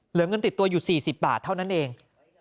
เหลือเงินติดตัวอยู่๔๐บาทเท่านั้นเอง